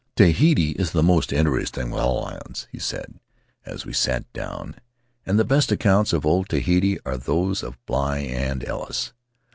"Tahiti was the most interesting of all the islands," he said, as we sat down, "and the best accounts of old Tahiti are those of Bligh and Ellis.